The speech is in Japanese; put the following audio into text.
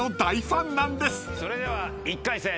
それでは１回戦。